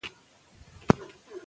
موږ به ټولنه ښه کړو.